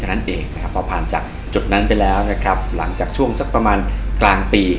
ห๊าพานจากจดนั้นไปแล้วหลังจากช่วงสักประมาณกลางปี